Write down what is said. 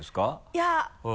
いや。